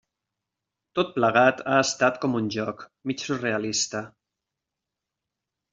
Tot plegat ha estat com un joc, mig surrealista.